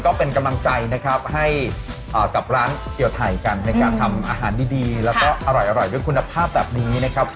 ก็เป็นกำลังใจนะครับให้กับร้านเตี๋ยวไทยกันในการทำอาหารดีแล้วก็อร่อยด้วยคุณภาพแบบนี้นะครับ